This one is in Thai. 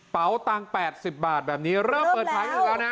ตังค์๘๐บาทแบบนี้เริ่มเปิดขายกันแล้วนะ